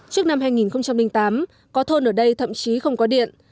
trước năm hai nghìn tám có thôn ở đây thậm chí không có điện